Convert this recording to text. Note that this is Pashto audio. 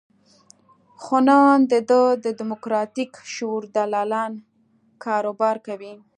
خو نن د ده د دیموکراتیک شعور دلالان کاروبار کوي.